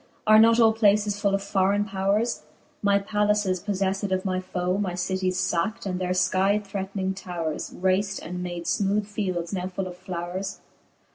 Are not all places full of forraine powres? My pallaces poflelTed of my foe, My cities facktj and their fkie threating tovVres Raced, and made finooth fields now full of flowres?